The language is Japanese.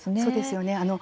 そうですよね。